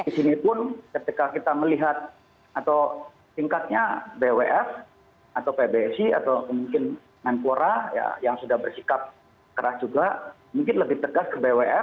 di sini pun ketika kita melihat atau tingkatnya bwf atau pbsi atau mungkin menpora yang sudah bersikap keras juga mungkin lebih tegas ke bwf